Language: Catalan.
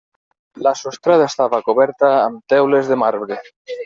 La sostrada estava coberta amb teules de marbre.